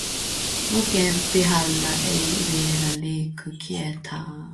Mökin pihalla ei vielä liiku ketään.